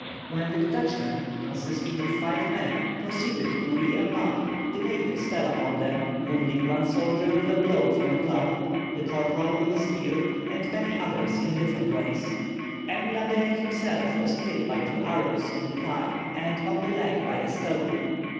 When the detachment, consisting of five men, proceeded to re embark, the natives fell upon them, wounding one soldier with a blow from a club, the corporal with a spear, and many others in different ways. M. Labbé himself was hit by two arrows in the thigh, and on the leg by a stone.